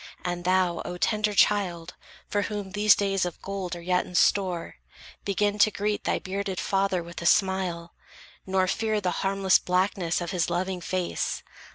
And thou, O tender child, for whom these days Of gold are yet in store, begin to greet Thy bearded father with a smile, nor fear The harmless blackness of his loving face.